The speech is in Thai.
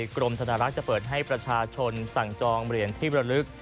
กรมธนารักษ์จะเปิดให้ประชาชนสั่งจองเหรียญที่บรรลึก